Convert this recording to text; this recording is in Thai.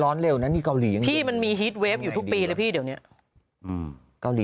ร้อนเร็วนะที่เกาหมีมันมีฮีฟท์เว็บอยู่ทุกปีกว่าพี่เดี๋ยวเนี่ยมีก้อน